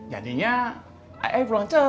jadinya ayah pulang cepet